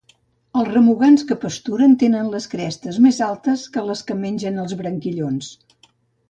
Els remugants que pasturen tenen les crestes més altes que les que mengen els branquillons.